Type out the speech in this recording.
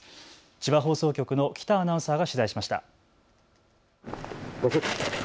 千葉放送局の喜多アナウンサーが取材しました。